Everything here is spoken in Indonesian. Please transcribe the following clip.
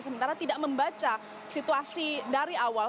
sementara tidak membaca situasi dari awal